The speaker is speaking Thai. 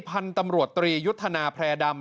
พันธุ์ตำรวจตรียุทธนาแพร่ดำ